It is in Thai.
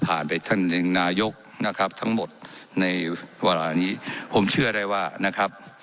ไปท่านหนึ่งนายกนะครับทั้งหมดในเวลานี้ผมเชื่อได้ว่านะครับ